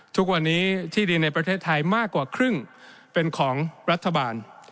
ทุกวันนี้ที่ดินในประเทศไทยมากกว่าครึ่งเป็นของรัฐบาล